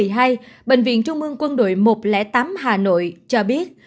hai mươi tám tháng một mươi hai bệnh viện trung ương quân đội một trăm linh tám hà nội cho biết